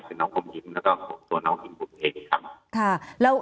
แล้วก็ส่วนน้องกินบุญเองครับ